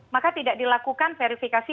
maka tidak dilakukan verifikasi